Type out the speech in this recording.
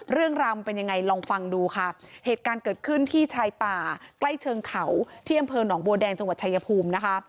เรื่องราวมันเป็นยังไงลองฟังดูค่ะเหตุการณ์เกิดขึ้นที่ชายป่าใกล้เชิงเขาที่อำเภอหนองบัวแดงจังหวัดชายภูมินะคะ